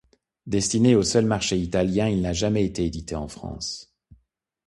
Destiné au seul marché italien, il n’a jamais été édité en France.